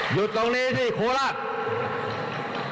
อยู่ตรงนี้ที่โคราช